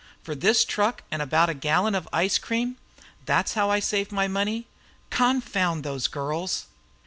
"For this truck and about a gallon of ice cream. That's how I save my money. Confound those girls!"